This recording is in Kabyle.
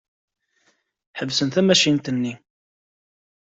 Ḥebsent tamacint-nni.